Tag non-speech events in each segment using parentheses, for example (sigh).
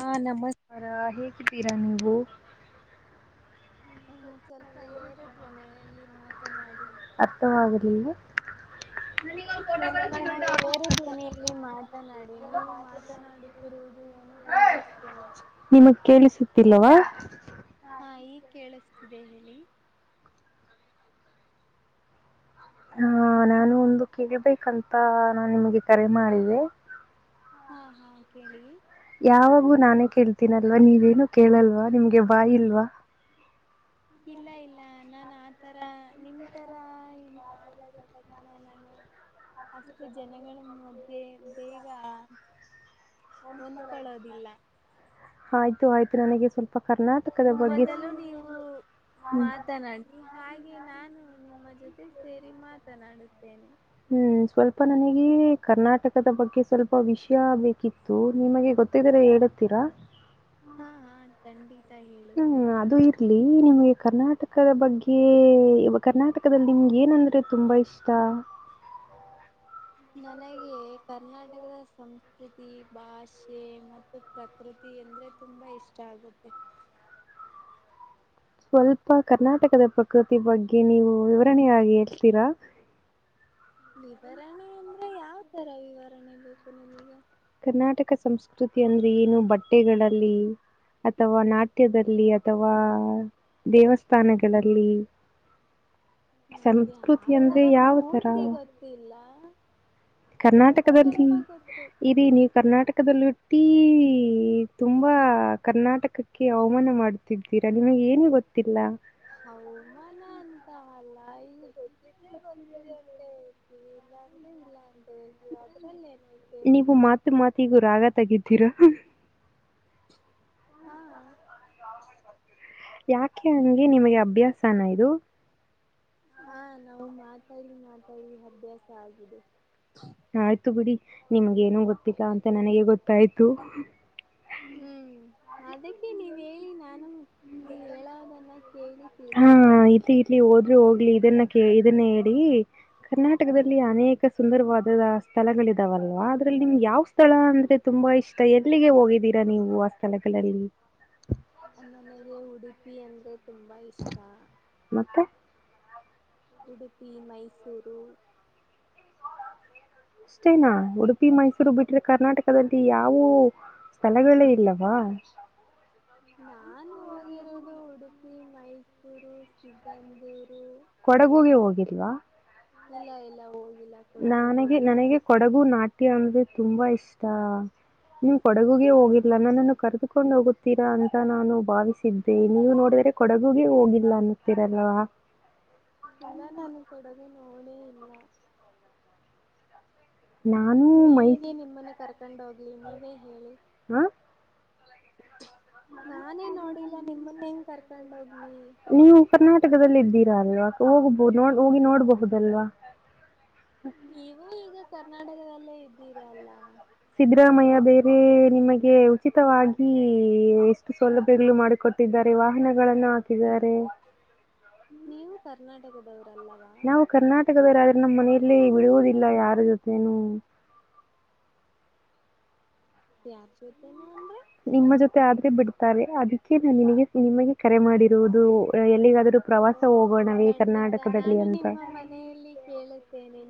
ಹಾ ನಮಸ್ಕಾರ ಹೇಗಿದ್ದೀರಾ ನೀವು ಹ ಸ್ವಲ್ಪ ಏರದ್ವನಲ್ಲಿ ಮಾತನಾಡಿ ಅರ್ಥವಾಗಲಿಲ್ಲ ಸ್ವಲ್ಪ ಹೇರೆ ಧ್ವನಿಯಲ್ಲಿ ಮಾತನಾಡಿ ನೀವು ಮಾತನಾಡುತ್ತಿರುವುದು ಏನೋ ಕೇಳತಿಲ್ಲ ನಿಮಗ್ ಕೇಳಿಸುತ್ತಿಲ್ಲವಾ ಹಾ ಈ ಕೇಳಿಸ ಇದಿ ಹೇಳಿ ಹ ನಾನು ಒಂದು ಕೇಳ್ಬೇಕಂತ ನಾ ನಿಮಗೆ ಕರೆ ಮಾಡಿದ್ದೆ ಹಾ ಹಾ ಕೇಳಿ ಯಾವಾಗೂ ನಾನೇ ಕೇಳ್ತೀನಲ್ವಾ ನೀವೇನು ಕೇಳಲ್ವಾ ನಿಮ್ಗೆ ಬಾಯ ಇಲ್ವಾ ಇಲ್ಲ ಇಲ್ಲ ನಾನ ಆತರ ನಿಮ ತರ ಇನ್ ಮಾತಾಡಿದ ತಕ್ಷಣ ನಾನು ಅಷ್ಟತ ಜನಗಳಣ ಮಧ್ಯೆ ಬೇಗ ಹೊಂದ್ಕೊಳ್ಳೋದಿಲ್ಲ (inaudible) ಆಯ್ತು ಆಯ್ತು ನನಗೆ ಸ್ವಲ್ಪ ಕರ್ನಾ ಮೊದಲು ನೀವು ಹ್ಮ್ ಮಾತನಾಡಿ ಹಾಗೆ ನಾನು ನಿಮ್ಮ ಜೊತೆ ಮೆ ಸೇರಿ ಮಾತನಾಡುತ್ತೇನೆ ಹ್ಮ್ ಸ್ವಲ್ಪ ನನಗೆ ಕರ್ನಾಟಕದ ಬಗ್ಗೆ ಸ್ವಲ್ಪ ವಿಷಯ ಬೇಕಿತ್ತು ನಿಮಗೆ ಗೊತ್ತಿದರ ಹೇಳತೀರಾ ಚಂಡಿ (inaudible) ತ್ತ ಹೇಳುತ್ತೇನೆ ಈ ನಿಮ್ಗೆ ಕರ್ನಾಟಕದ ಬಗ್ಗೆ ಕರ್ನಾಟಕದಲ್ಲಿ ನಿಮ್ಗೆ ಏನಂದ್ರೆ ತುಂಬಾ ಇಷ್ಟ ನನಗೆ ಕರ್ನಾಟಕದ ಸಂಸ್ಕೃತಿ ಭಾಷೆ ಮತ್ತು ಪ್ರಕೃತಿ ಎಂದ್ರೆ ತುಂಬಾ ಇಷ್ಟ ಆಗುತ್ತೆ ಸ್ವಲ್ಪ ಕರ್ನಾಟಕದ ಪ್ರಕೃತಿ ಬಗ್ಗೆ ನೀವು ವಿವರಣೆೆಯಾಗಿ ಹೇಳ್ತೀರಾ ವಿವರಣೆ ಅಂದ್ರೆ ಯಾವ್ ತರ ವಿವರಣೆ ಬೇಕು ನಿಮಗೆ ಕರ್ನಾಟಕ ಸಂಸ್ಕೃತಿ ಅಂದ್ರೆ ಏನು ಬಟ್ಟೆಗಳಲ್ಲಿ ಅಥವಾ ನಾಟ್ಯದಲ್ಲಿ ಅಥವಾ ದೇವಸ್ಥಾನಗಳಲ್ಲಿ ನನಗೆ ಸಂಸ್ಕೃತಿ ಅಂದ್ರೆ ಆತರ ಯಾವ ತರ? ಪೂರ್ತಿ ಗೊತ್ತಿಲ್ಲ ಸ್ವಲ್ಪ ಕರ್ನಾಟಕದಲ್ಲಿ ಸ್ವಲ್ಪ ಗೊತ್ತು ಇರಿ ನೀವು ಕರ್ನಾಟಕದಲೂ (inaudible) ತುಂಬಾ ಕರ್ನಾಟಕಕ್ಕೆ ಅವಮಾನ ಮಾಡುತ್ತಿದ್ದೀರಾ ನಿಮಗೆ ಏನು ಗೊತ್ತಿಲ್ಲ ಹೌ ಮನ ಅಂತ ಅಲ್ಲ ಈ ಗೊತ್ತ ಇದಿದ್ರೆ ಗೊತ್ತಿದೆ ಅಂತ ಹೇತಿ ಇಲ್ಲ ಇಲ್ಲ ಹೇಳ್ತೀವಿ ಅದ್ರಲ್ಲಿ ಏನೈತೆ ನೀವು ಮಾತ್ ಮಾತಿಗೂ ರಾಗ ತಗಿತಿರಾ ಹಾ ಯಾಕೆ ಹಂಗೆ ನಿಮಗೆ ಅಭ್ಯಾಸನ ಇದು ಹಾ ನಾವು ಮಾತಾಡಿ ಮಾತಾಡಿ ಅಭ್ಯಾಸ ಆಗಿದೆ ಆಯ್ತು ಬಿಡಿ ನಿಮ್ಗ ಏನೂ ಗೊತ್ತಿಲ್ಲ ಅಂತ ನನಗೆ ಗೊತ್ತಾಯ್ತು ಹ್ಮ್ ಅದಕ್ಕೆ ನೀವ್ ಹೇಳಿ ನಾನು ನೀವ್ ಹೇಳೋದನ್ನ ಕೇಳಿ ಹಾ ತಿಳ್ಕೋತೇನೆ ಇತಿ ಇತ್ತಲಿ ಹೋದ್ರೂ ಹೋಗ ಇಲ್ಲಿ ಇದನ್ನ ಕೆ ಇದನ್ನ ಹೇಳಿ ಕರ್ನಾಟಕದಲ್ಲಿ ಹ್ಮ್ ಅನೇಕ ಸುಂದರವಾದ ಸ್ಥಳಗಳ ಇದಾವಲ್ವಾ ಅದ್ರಲ್ಲಿ ನಿಮ್ಗ ಯಾವ ಸ್ಥಳ ಅಂದ್ರೆ ತುಂಬಾ ಇಷ್ಟ. ಎಲ್ಲಿಗೆ ಹೋಗಿದ್ದೀರಾ ನೀವು ಆ ಸ್ಥಳಗಳಲ್ಲಿ? (unintelligible) (inaudible) ತುಂಬಾ ಇಷ್ಟ. ಮತ್ತೆ ಉಡುಪಿ ಮೈಸೂರು ಅಷ್ಟೇನಾ ಉಡುಪಿ ಮೈಸೂರು ಬಿಟ್ರೆ ಕರ್ನಾಟಕದಲ್ಲಿ ಯಾವೂ ಸ್ಥಳಗಳೇ ಇಲ್ಲವಾ? ನಾನು ಹೋಗಿ ದ್ದು ಉಡುಪಿ ಮೈಸೂರು ಸಿಗಂದೂರು. ಕೊಡಗುಗೆ ಹೋಗಿಲ್ವಾ ಇಲ್ಲ ಇಲ್ಲ ಹೋಗಿ ನನಗೆ ನನಗೆ ಕೊಡಗು ನಾಟ್ಯ ಅಂದ್ರೆ ತುಂಬಾ ಇಷ್ಟ ನಿ ಕೊಡಗುಗೆ ಹಾ ಹೋಗಿಲ್ಲ ಹಾ ನನ್ನನ್ನು ಕರೆದುಕೊಂಡು ಹೋಗುತ್ತ ತಿರಾ ಅಂತ ನಾನು ಭಾವಿಸಿದ್ದೆ ನೀವು ನೋಡಿದರೆ ಕೊಡಗುಗೆ ಹೋಗಿಲ್ಲ ಅನ್ನುತ್ತೀರಲ್. ಇಲ್ಲ ನಾನು ಕೊಡಗು ನೋಡ್ ನಾನು ಮೈ ಹೇಗೆ ನಿಮ್ಮನ್ನ ಕರ್ಕೊಂಡ್ ಹೋಗ್ಲಿ ನೀವೇ ಹೇಳಿ. ಆ? ನಾನೇ ನೋಡಿಲ್ಲ ನಿಮ್ಮನ್ನ ಹೆಂಗ ಕರ್ಕೊಂಡ ಹೋಗ್ಲಿ? ಹೋಗಬೋ ನ ಹೋಗಿ ನೋಡ್ಬಹುದಲ್ವಾ? ನೀವು ಈಗ (unintelligible) ಕರ್ನಾಟಕದಲ್ಲೇ ಇದ್ದೀರಲ್ಲ. ಸಿದ್ದರಾಮಯ್ಯ ಬೇರೆ ನಿಮಗೆ ಉಚಿತವಾಗಿ ಎಷ್ಟು ಸೌಲಭ್ಯಗಳು ಮಾಡಿಕೊಟ್ಟಿದ್ದಾರೆ ವಾಹನಗಳನ್ನು ಹಾಕಿದ್ದಾರೆ. ನೀವು ಕರ್ ಕರ್ನಾಟಕದವರಲ್ಲ. ನಾವು ಕರ್ನಾಟಕದವರಾದ್ರೆ ನಮ್ಮ ಮನೆಯಲ್ಲಿ ಬಿಡುವುದಿಲ್ಲ ಯಾರ ಜೊತೆನು. ಯಾರ್ ಜೊತೇನು ಅಂದ್ರ ನಿಮ್ಮ ಜೊತೆ ಆದ್ರೆ ಬಿಡ್ತಾರೆ ಅದಕ್ಕೆ ನಾ ನಿನಗೆ ನಿಮಗೆ ಕರೆ ಮಾಡಿ ದು ಎಲ್ಲಿಗಾದ್ರೂ ಪ್ರವಾಸ ಓಹೋ ಹೋಗೋಣವೇ ಖಂಡಿತ ಕರ್ನಾಟಕದಲ್ಲಿ ನಾನು ಅಂತ. ನಿಮ್ಮ ಮನೆಯಲ್ಲಿ ಕೇಳುತ್ತೇನೆ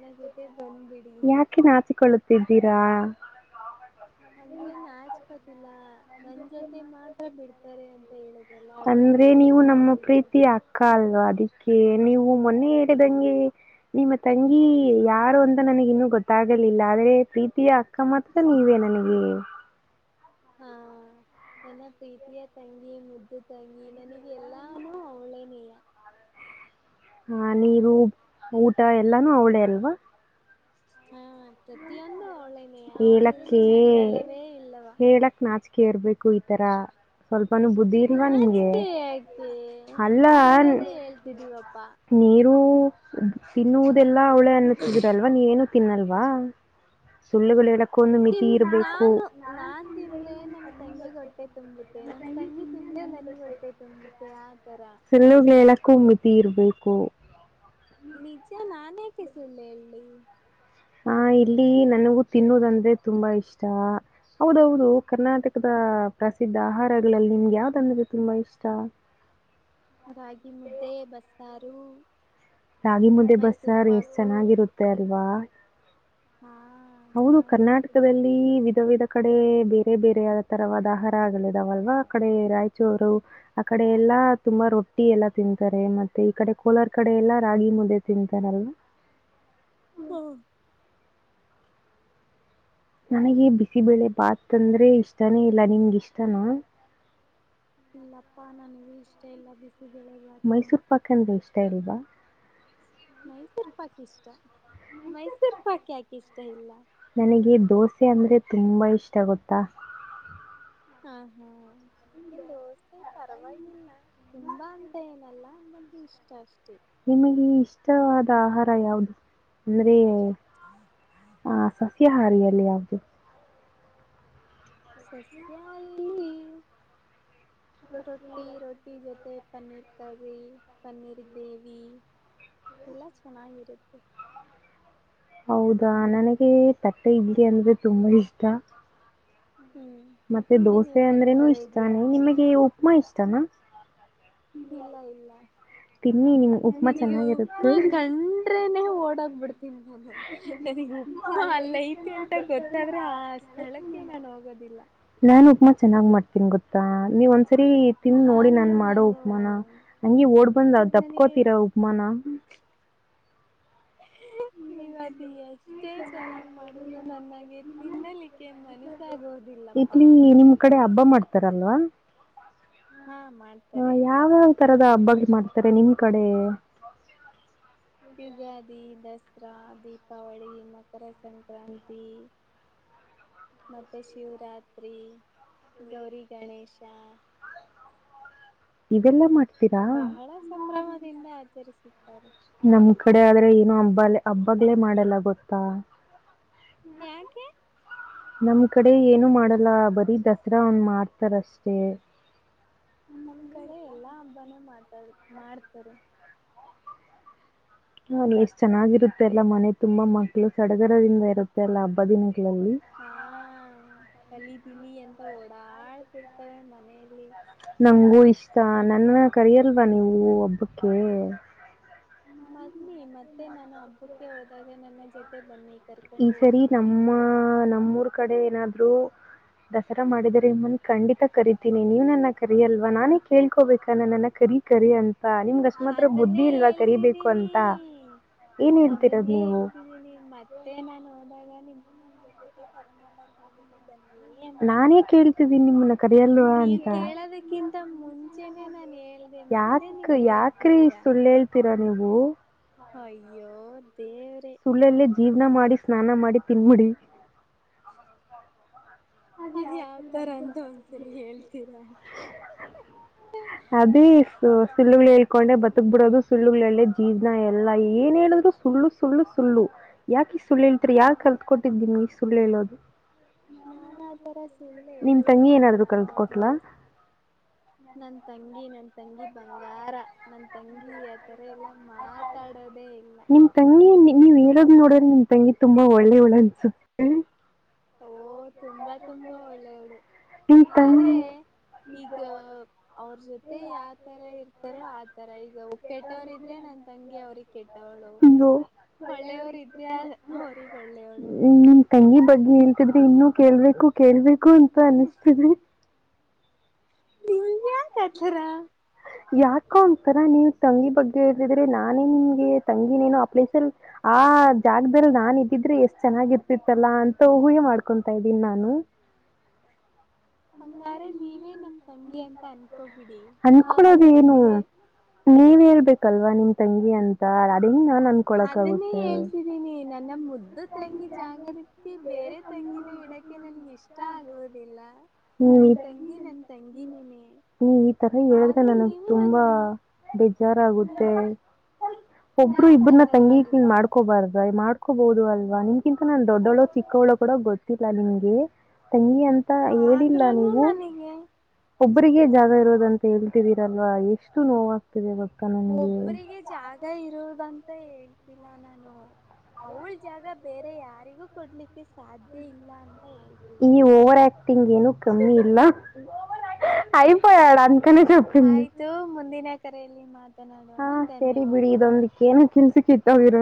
(unintelligible) ಯಾಕೆ ನಾಚಿಕೊಳ್ಳುತ್ತ ತಿದಿದ್ದಿರಾ. ಅಂದ್ರೆ ನಾಚ್ಕತಿಲ್ಲ. ನನ್ ಜೊತೆ ಮಾತ್ರ ಬಿಡ್ತಾರೆ ಅಂತ ಹೇಳುದಲ್ಲ ಅದಕ್ಕೆ ಅಂದ್ರೆ ನೀವು ಖುಷಿ ಪಡ್ತಿದ್ದೀನಿ. ಕೆ ನೀವು ಮೊನ್ನೆ ಹೇಳಿದಂಗೆ ನಿಮ್ಮ ತಂಗಿ ಯಾರು ಅಂತ ನನಗ ಇನ್ನುೂ ಗೊತ್ತಾಗಲಿಲ್ಲ ಆದ್ರೆ ಪ್ರೀತಿಯ ಅಕ್ಕ ಮಾತ್ರ ನೀವೇ ನನಗೆ. ಹಾ ನನ್ನ ಪ್ರೀತಿಯ ತಂಗಿ ಮುದ್ದು ತಂಗಿ ನನಗೆ ಎಲ್ಲಾನು ಅವಳೇನಿಲ್ಲ. ಹಾ ನೀರು ಊಟ ಎಲ್ಲಾನು ಅವಳೇ ಅಲ್ವಾ. ಹಾ ಪ್ರತಿಯೊಂದು ಅವಳೇನೆೇ ಅವಳು ಹೇಳಕ್ಕೆ ಇಲ್ದೆೇ ನಾನು ಇಲ್ಲವೇ ಇಲ್ಲವ. ಹೇಳಕ್ ನಾಚಿಕೆ ಇರಬೇಕು ಈ ತರ ಸ್ವಲ್ಪ ನಾಚಕೆ ಯಾಕೆ ಅಲ್ಲ ಇರೋದೇ ಹೇಳ್ತಿದೀವಪ್ಪಾ. ತಿನ್ನು ದೆಲ್ಲ ಅವಳೆ ಅನ್ನುತ್ತಿದರಲ್ವ ನೀ ಏನು. ತಿನ್ನವ್ಲ. ವಾ ಸುಳ್ಳುಬಲಿ ಹೇಳುಕ್ ತಿನ್ ನಾನು ನಾನ್ ತಿಂದ್ರೆ ನಮ್ ತಂಗೀಗ ಹೊಟ್ಟೆ ತುಂಬುತ್ತೆ ನಮ್ ತಂಗಿ ತಿಂದ್ರೆ ನನಿಗ ಹೊಟ್ಟೆ ತುಂಬುತ್ತೆ. ಮೂಧೆ (inaudible) ಸುಲ್ಲುಗ್ಗಳ ಎಲ್ಲಕ್ಕೂ್ ತೀರ್ಬೇಕು ನಿಜ ನಾನೇ ಸುಳ್ಳ ಹೇಳಿ ಹ ಇಲ್ಲಿ ನನಗೂ ತಿನ್ನೋದಂದ್ರೆ ತುಂಬಾ ಇಷ್ಟ. ಹೌದೌದು ಹಾ ಕರ್ನಾಟಕದ ಪ್ರಸಿದ್ಧ ಆಹಾರಗಳಲ್ಲಿ ನಿಮ್ಗೆ ಯಾವ್ದಂದ್ರೆ ತುಂಬಾ ಇಷ್ಟ. ರಾಗಿ ಮುದ್ದೆ ಬಸ್ಸ್ರಾರ ಹ ರಾಗಿ ಮುದೆ ಬಸ್ಸರ್ ಎಷ್ಟ ಚೆನ್ನಾಗಿರುತ್ತೆ ಅಲ್ವಾ. ಹಾ ಹೌದು ಚೆನ್ನಾಗಿರುತ್ತೆ ಕರ್ನಾಟಕದಲ್ಲಿ ವಿಧ ವಿಧ ಆ ಕಡೆ ಬೇರೆ ಬೇರೆ ತರವಾದ ಆಹಾರ ಆಗ್ಗಳಿದಾವಲ್ವಾ ಆ ಕಡೆ ರಾಯಚೂರು ಆ ಕಡೆ ಎಲ್ಲಾ ತುಂಬಾ ರೊಟ್ಟಿ ಎಲ್ಲಾ ತಿಂತಾರೆ ಮತ್ತೆ ಈ ಕಡೆ ಕೋಲಾರ ಕಡೆ ಎಲ್ಲಾ ರಾಗಿ ಮುದ್ದೆ ತಿಂತಾರಲ್ವಾ. ಹ್ಮ ನನಗೆ ಬಿಸಿಬೇಳೆ ಭಾತ್ಂದ್ರೆ ಇಷ್ಟಾನೇ ಇಲ್ಲ ನಿಮ್ಗೆ ಇಷ್ಟನ. ಇಲ್ಲಪ್ಪಾ ನನಗೆ ಇಷ್ಟೇ ಎಲ್ಲ ಬಿಸಿ. ಮೈಸೂರ್ ಪಾಕ್ ಅಂದ್ರೆ ಇಷ್ಟ ಇಲ್ಲವಾ ಮೈಸೂರು ಪಾಕ್ ಇಷ್ಟ ಮೈಸೂರ್ ಪಾಕ್ ಯಾಕೆ ಇಷ್ಟ ಇಲ್ಲ. ತುಂಬ ಇಷ್ಟ ಗೊತ್ತಾ ಹ ಹಾ ನನ್ಗಿನ್ ದೋಸೆ ಪರವಾಗಿಲ್ಲ ತುಂಬಾ ಅಂತ ಏನಲ್ಲಾ ಮತ್ತೆ ಇಷ್ಟ ಅಷ್ಟೇ ನಿಮಗೆ ಇಷ್ಟವಾದ ಆಹಾರ ಯಾವದು ಅಂದ್ರೆ ಹ ಹಾರಿಯಲ್ಲಿ ಯಾವುದು ಸತ್ಯ ಇಲ್ಲಿ ರೋಟಿ ರೋಟಿ ಜತೆ ಪನ್ನೀರ್ ಕರಿ ಪನ್ನೀರ್ ದೇವಿ ಎಲ್ಲ ಚೆನ್ನಾಗಿರುತ್ತೆ ಹೌದಾ ನನಗೆ ತಟ್ಟೆ ಇಡ್ಲಿ ಅಂದ್ರೆ ತುಂಬಾ ಇಷ್ಟ ಹ್ಮ್ ಮತ್ತೆ ಯಾಕೆ ದೋಸೆ ನೀವ್ ಅಂದ್ರೇನು ತಟ್ಟೆತರ ಇದ್ದೀರಾ ಇಷ್ಟಾನೆ ಅಂತನ ನಿಮಗೆ ಉಪ್ಪಮಾ ಇಷ್ಟಾನ ಇಲ್ಲ ಇಲ್ಲ ತಿನ್ನಿ ನಿಮ್ ಉಪ್ಮಾ ನನಗ ಉಪ್ಮಾ ಚೆನ್ನಾಗಿರುತ್ತೆ ಕಂಡ್ರೆನೆ ಓಡಕ್ ಬಿಡ್ತೀನಿ ನಾನು ನನಗ್ ಉಪ್ಮಾ ಅಲ್ಲಐತಿ ಅಂತ ಗೊತ್ತಾದ್ರೆ ಆ ಸ್ಥಳಕ್ಕೆ ನಾನು ಹೋಗೋದಿಲ್ಲ ನಾನು ಉಪ್ಮಾ ಚೆನ್ನಾಗ್ ಮಾಡ್ತೀನಿ ಗೊತ್ತಾ ನೀವ ಸರಿ ತಿಂದು ನೋಡಿ ನನ್ ಆದ್ರೂ ಮಾಡೋ ನಾನು ಉಪಮಾನ ಹಂಗಿ ಓಡ್ ನಾನ್ ನನಗೆ ದಪ್ಕೊತೀರೋ ಉಪ್ಮಾ ನಾ ನೀವ ಅದು ಎಷ್ಟೇ ಚೆನ್ನಾಗಿ ಮಾಡುದರು ನನ್ನಂಗೆ ತಿನ್ನಲಿಕ್ಕೆ ಏನ್ ಮನಸಗೋದಿಲ್ಲಪ್ಪಾ ಇಡ್ಲಿ ಹ ಯಾವ್ಯಾವ ತರದ ಹಬ್ಬ ಮಾಡ್ತಾರೆ ನಿಮ್ ಕಡೆ ಉಗಾದಿ ತ್ರ ದೀಪಾವಳಿ ಮಕರ ಸಂಕ್ರಾಂತಿ ಮತ್ತೆ ಶಿವರಾತ್ರಿ ಗೌರಿ ಗಣೇಶ ಇದೆಲ್ಲಾ ಮಾಡ್ ಬಹಳ ಸಂಭ್ರಮದಿಂದ ಆಚರಿಸುತ್ತ ಸರಿ ನಮ್ ಕಡೆ ಆದ್ರೆ ಏನ ಹಬ್ಬ ಹಬ್ಬಾಗ್ಲೇ ಮಾಡಲ್ಲ ಗೊತ್ತಾ ಯಾಕೆ ನಮ್ ಕಡೆ ಏನು ಮಾಡಲ್ಲ ಬರೀ ದಸರಾ ಒಂದ ಮಾಡ್ತಾರಷ್ಟೇ ನಮ್ ಕಡೆ ಎಲ್ಲಾ ಹಬ್ಬ ಮಾತಾಡ್ ಮಾಡ್ತಾರೆ ಹಾ ಎಷ್ಟ್ ಚೆನ್ನಾಗಿರುತ್ತೆಲ್ಲ ಮನೆ ತುಂಬಾ ಮಕ್ಳು ಸಡಗರದಿಂದ ಇರುತ್ತೆ ಅಲ್ಲಾ ಹಬ್ಬದಿನ ಹಾ ಕಲಿದ್ದಲಿ ಓಡಾಡ್ತಿರ್ತವೆ ಮನೇಲ್ ನಂಗಂಗು ಇಷ್ಟ ನನ್ನ ಕರಿಯಲ್ವಾ ನೀವು ಹಬ್ಬಕ್ಕೆ ಬನ್ನಿ ಮತ್ತೆ ನಾ ನ ಹಬ್ಬಕ್ಕೆ ಹೋದಾಗೆ ನನ್ನ ಜೊತೆ ಬನ್ನಿ ಈ ಕರ್ಕೊಂಡು ಸರಿ ಹೋಗ್ತೇನೆ ನಮ್ಮ ನಿಮ್ಮನ್ನನು ನಮ್ಮೂರ್ ಕಡೆ ಏನಾದ ದಸರಾ ಮಾಡಿದರೆಮ್ಮನ್ ಖಂಡಿತ ಕರಿತೀನಿ ನೀವ್ ನನ್ನ ಕರಿ ಅಲ್ವಾ ನಾನೇ ಕೇಳ್ಕೋಬೇಕ ನ ನನ್ನ ಕರಿ ಕರಿ ಅಂತ ನಿಮ್ಗೆ ಅಷ್ಟು ಮಾತ್ರ ಅದನ್ನೇ ಬುದ್ಧಿ ಇಲ್ವಾ ಕರಿಬೇಕು ಹೇಳ್ತಿದೀನಿ ಅಂತ ಏನು ಹೇಳ್ತಿರೋದು ಅದನ್ನೇ ನೀವು ಹೇಳ್ತಿದ್ದೀನಿ ಮತ್ತೆ. ಮತ್ತೆ ನಾನು ಹೋದಾಗ ನಿಮ್ಮನ್ನು ನನ್ ಜೊತೆ ಕರ್ಕೊಂಡ್ ಹೋಗ್ತೀನಿ. ನಾನೇ ಕೇಳ್ತಿದ್ದೀನಿ ನಿಮ್ಮಲ್ಲ ಕರೆಯಲ್ವಾ ಅಂತ. ಇದಕ್ಕಿಂತ ಮುಂಚೆನೆ ನಾನು ಹೇಳ್. ಯಾಕ್ ಯಾಕ. ಬರೀ ಸುಳ್ಳ ಹೇಳ್ತಿರ. ಅ ನೀವು ಅಯ್ಯೋ ದೇವ್ರೇ ಸುಳ್ಳಲ್ಲೇ ಜೀವನ ಮಾಡಿ ಸ್ನಾನ ಮಾಡಿ ತಿನ್ಮಿಡಿ ಅದ್ ಯಾವ್ತರ ಅಂತ ಒಂದ್ಸಲಿ ಹೇಳ್ತೀರಾ ಅದೇ ಸುಳ್ಳುಗಳು ಹೇಳ್ಕೊಂಡೆ ಬದಕ್ ಬಿಡೋದು ಸುಳ್ಳುಗಳಲ್ಲೆ ಜೀವನ ಎಲ್ಲ ಏನ್ ಹೇಳಿದ್ರು ಸುಳ್ಳು ಸುಳ್ಳು ಸುಳ್ಳು ಯಾಕೆ ಈಸ್ಟ್ ಸುಳ್ಳ ಹೇಳ್ತೀರಿ ಯಾರ ಕಲ್ತ್ಕೊಟ್ಟಿದ್ದ. ಸುಳ್ಳ ಹೇಳೋದು ನಾನಾ ಆ ತರ ಸುಳ್ಳೆ ನಿಮ್ ಹೇಳುವುದೇ ತಂಗಿ ಇಲ್ಲ ಏನಾದ್ರು ಮೊದ್ಲು ಕಲ್ತ್ಕೊಟ್ಲಾ ನನ್ ತಂಗಿ. ನನ್ ತಂಗಿ ಬಂಗಾರ ನನ್ ತಂಗಿ ಆತರ ಇಲ್ಲ ಮಾತಾಡೋದೇ ನಿಮ ತಂಗಿ ನೀವ್ ಏನಾದ್ರೂ ನೋಡ್ರ ತಂಗಿ ತುಂಬಾ ಒಳ್ಳೆಯವಳು ಅನ್ಸುತ್ತೆ (unintelligible) ತುಂಬಾ ತುಂಬಾ ಒಳ್ಳೆಯವಳು ನಿಮ್ ತಂಗಿ ಆದ್ರೆ ಈಗ ಅವ್ರ ಜೊತೆ ಯಾವತರ ಇರ್ತಾರೋ ಆತರ ಈಗ ಅವ್ರ ಕೆಟ್ಟವರ ಇದ್ರೆ ನನ್ನ ತಂಗಿ ಅವ್ರಿಗೆ ಕೆಟ್ಟವಳು ಅಯ್ಯೋ ಒಳ್ಳೆಯವರ ಇದ್ರೆ ಅವ್ರಗ್ ಒಳ್ಳೆಯವಳು. ಇನ್ನು ಕೇಳ್ಬೇಕು ಕೇಳ್ಬೇಕು ಅಂತ ಅನಿಸ್ತಿದೆ (inaudible) ಕಚರ ಯಾಕೋ ಅಂತರ ನೀವ್ ತಂಗಿ ಬಗ್ಗೆ ಹೇಳೇಳ್ತಿದ್ರೆ ನಾನೇ ನಿಮ್ಗೆ ತಂಗಿನೇನೋ ಆ ಪ್ಲೇಸ್ ಅಲ್ ಆ ಜಾಗದಲ್ಲಿ ನಾನ್ ಇದಿದ್ರೆ ಎಷ್ಟ್ ಚೆನ್ನಾಗಿ ಇರ್ತಿತ್ತಲ್ಲಾ ಅಂತ ಊಹೆ ಮಾಡ್ಕೊತಾ ಇದ್ದೀನ್ ನಾನು. ಹಂಗಾರೆ ನೀವೇ ನಾ ನಂಗೆ ಅಂತ ಅನಿಸ್ತಾ ಅನ್ನಕೊಳುಡ ಏನು ನೀವ್ ಹ್ಮ್ ಹೇಳ್ಬೇಕಲ್ವಾ ನಿಮ್ದ. ತಂಗಿ ಅಂತ ಅದನ್ನ (inaudible) ಅದನ್ನೇ ಹೇಳ್ತಿದೀನಿ ನನ್ನ ಮುದ್ದ. (inaudible) ತಂಗಿ ಜಾಗಕ್ಕೆ ಬೇರೆ ತಂಗಿನ ಇಡಕ್ಕೆ ನನ್ಗೆ ಇಷ್ಟ ಆಗೋುದಿಲ್ಲ ನನ್ ಹ್ಮ್ ತಂಗಿ ನನ್ ತಂಗಿನನೇ ನೀ ಈ ತರ ಹೇಳಿದ್ರೆ ಆದ್ರೂ ನನಗ್ ನೀವು ನನ್ ತುಂಬಾ ತಂಗಿ ಬೇಜಾರಾಗುತ್ತೆ. ಯಾಕ ಥರ ಸಂಗೀತಲ್ ಆಗುತ್ತೀನಿ ಮಾಡ್ಕೋಬಾರ್ದ ಮಾಡ್ಕೋಬಹುದು ಅಲ್ಲ ನೀ ಕಿಂತ ನಾನ್ ದೊಡ್ಡವಳು ಚಿಕ್ಕವಳು ಕಡ ಗೊತ್ತಿಲ್ಲ ನಿಮ್ಗೆ (unintelligible) ಅಂತ ಹೇಳಿಲ್ಲ ಆದ್ರೂನು ನೀವು ನನಗೆ ಒಬ್ಬರಿಗೆ ಜಾಗ ಇರೋದಂತ ಹೇಳ್ತಿದೀರಲ್ವಾ ಎಷ್ಟು ನೋವಾಗ್ತಿದೆ ಗೊತ್ ಒಬ್ಬರಿಗೆ ಜಾಗ ಇರುದಂತ ಮತ್ತ ಹೇಳ್ತಿಲ್ಲ ನಾನು ಅವಳ ಜಾಗ ಬೇರೆ ಯಾರಿಗೂ ಕೊಡ್ಲಿಕ್ಕೆ ಸಾಧ್ಯ ಇಲ್ಲ ಈ ಹೇಳ್ತಿದ್ದೀನಿ ಓವರ್ ಆಕ್ಟಂಗ್ ಏನುೂ ಕಮ್ಮಿ ಇಲ್ಲ ಅಐಪಯಳ ಅಂತಕನಪ್ಪಿನ್ ರೆಯಲ್ಲಿ (inaudible) ಹಾ ಸರಿ ಬಿಡಿ ಇದೊಂದಿಕ್ಕ ಏನ ಕೆಲ್ಸಕ್ (inaudible) ಇತ್ತಾವರ